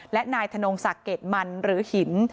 และนายธนงศักดิ์เกรดมันหรือหิน